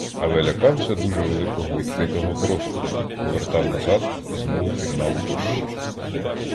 Але лякався дуже великого відкритого простору, повертав назад і знову пірнав у кущі.